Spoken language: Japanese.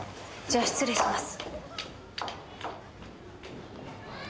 じゃあ失礼します。